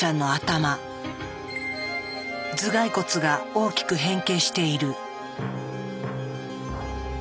頭蓋骨が大きく変形している。